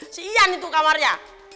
si ian itu kamarnya